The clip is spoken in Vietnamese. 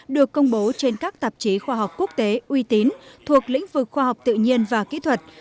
được công bố trên các tạp chí khoa học quốc tế uy tín thuộc lĩnh vực khoa học tự nhiên và kỹ thuật